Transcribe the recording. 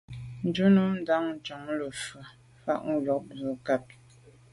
Njù num ndàn njon le’njù fa bo sô yub nkage.